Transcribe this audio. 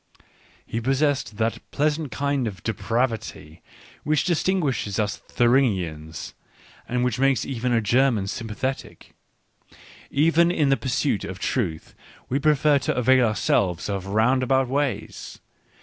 He possessed that pleasant kind of depravity which distinguishes us Thuringians, and which makes even a German sympathetic — even in the pursuit of truth we pre fer to avail ourselves of roundabout ways.